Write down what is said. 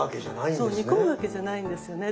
そう煮込むわけじゃないんですよね。